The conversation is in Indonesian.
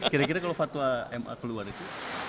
kira kira kalau fatwa ma keluar itu